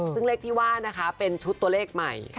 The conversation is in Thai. ซึ่งเลขที่ว่านะคะเป็นชุดตัวเลขใหม่